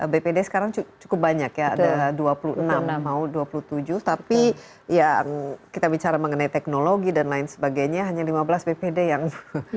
bpd sekarang cukup banyak ya ada dua puluh enam mau dua puluh tujuh tapi yang kita bicara mengenai teknologi dan lain sebagainya hanya lima belas bpd yang